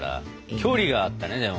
距離があったねでも。